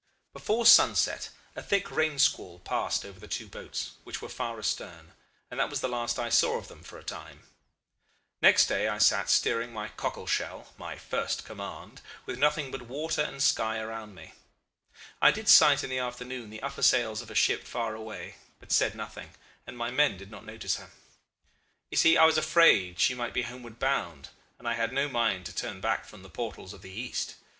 "Before sunset a thick rain squall passed over the two boats, which were far astern, and that was the last I saw of them for a time. Next day I sat steering my cockle shell my first command with nothing but water and sky around me. I did sight in the afternoon the upper sails of a ship far away, but said nothing, and my men did not notice her. You see I was afraid she might be homeward bound, and I had no mind to turn back from the portals of the East.